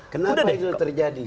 kenapa itu terjadi